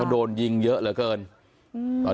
มีภาพวงจรปิดอีกมุมหนึ่งของตอนที่เกิดเหตุนะฮะ